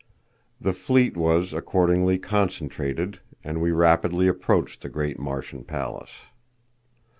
The fleet was, accordingly, concentrated, and we rapidly approached the great Martian palace.